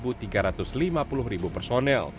berada di angka satu tiga ratus lima puluh ribu personel